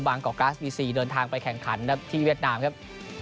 ก่อกราสบีซีเดินทางไปแข่งขันครับที่เวียดนามครับ